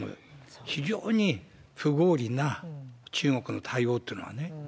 非常に不合理な中国の対応というのはね。